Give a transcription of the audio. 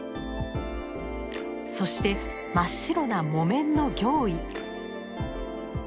そして真っ白な木綿の行衣。